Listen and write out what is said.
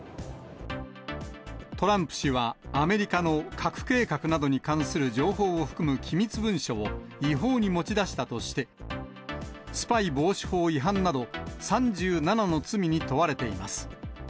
トランプ氏はアメリカの核計画などに関する情報を含む機密文書を違法に持ち出したとして、スパイ防止法違反など３７の罪に問われています。